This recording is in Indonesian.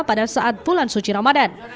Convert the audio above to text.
pada saat bulan suci ramadan